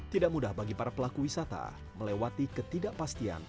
tidak mudah bagi para pelaku wisata melewati ketidakpastian